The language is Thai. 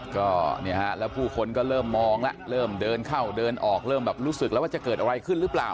ก็เนี่ยฮะแล้วผู้คนก็เริ่มมองแล้วเริ่มเดินเข้าเดินออกเริ่มแบบรู้สึกแล้วว่าจะเกิดอะไรขึ้นหรือเปล่า